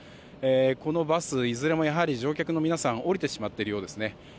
このバスいずれもやはり乗客の皆さん降りてしまっているようですね。